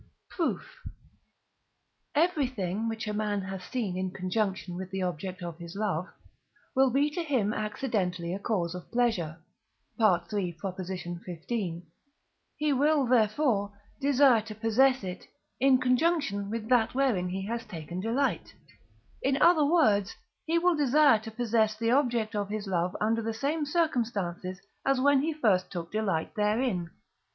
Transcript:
Proof. Everything, which a man has seen in conjunction with the object of his love, will be to him accidentally a cause of pleasure (III. xv.); he will, therefore, desire to possess it, in conjunction with that wherein he has taken delight; in other words, he will desire to possess the object of his love under the same circumstances as when he first took delight therein.